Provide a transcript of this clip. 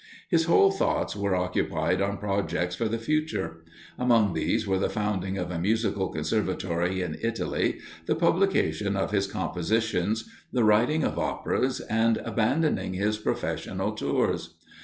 His whole thoughts were occupied on projects for the future. Among these were the founding of a musical conservatory in Italy, the publication of his compositions, the writing of operas, and abandoning his professional tours.